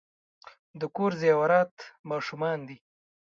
د کور زیورات ماشومان دي .